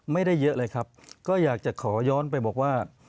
ไม่ได้เยอะเลยครับก็อยากจะขอย้อนไปบอกว่า